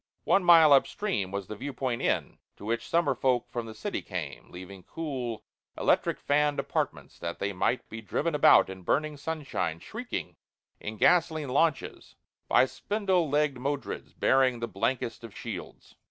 One mile upstream was the Viewpoint Inn, to which summer folk from the city came; leaving cool, electric fanned apartments that they might be driven about in burning sunshine, shrieking, in gasoline launches, by spindle legged Modreds bearing the blankest of shields.